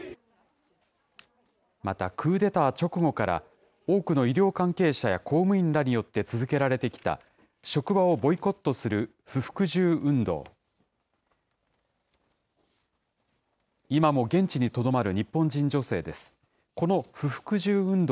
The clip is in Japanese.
またクーデター直後から、多くの医療関係者や公務員らによって続けられてきた、職場をボイコットする不服従運動。